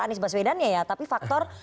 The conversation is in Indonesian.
anies baswedan ya ya tapi faktor